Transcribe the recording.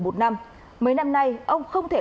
một năm mấy năm nay ông không thể